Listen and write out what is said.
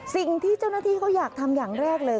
สิ่งที่เจ้าหน้าที่เขาอยากทำอย่างแรกเลย